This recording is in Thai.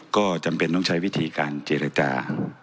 ก็จำเป็นต้องใช้วิธีการเจรจา